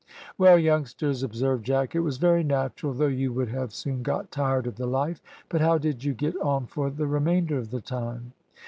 "Well, youngsters," observed Jack, "it was very natural, though you would have soon got tired of the life; but how did you get on for the remainder of the time?"